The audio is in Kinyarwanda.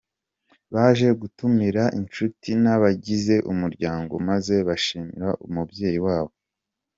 Baje gutumira inshuti n’abagize umuryango maze bashimira umubyeyi wabo.